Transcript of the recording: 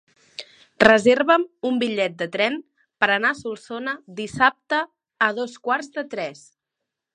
Reserva'm un bitllet de tren per anar a Solsona dissabte a dos quarts de tres.